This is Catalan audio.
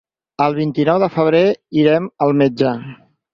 El vint-i-nou de febrer irem al metge.